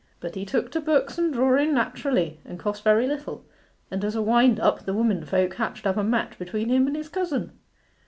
'But he took to books and drawing naturally, and cost very little; and as a wind up the womenfolk hatched up a match between him and his cousin.